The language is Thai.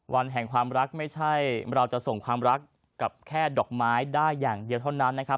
วันแห่งความรักไม่ใช่เราจะส่งความรักกับแค่ดอกไม้ได้อย่างเดียวเท่านั้นนะครับ